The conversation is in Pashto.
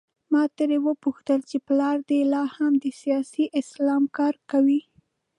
ما ترې وپوښتل چې پلار دې لا هم د سیاسي اسلام کار کوي؟